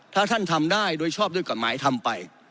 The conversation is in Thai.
ถ้าท่านทำได้โดยชอบด้วยกฎหมายทำไป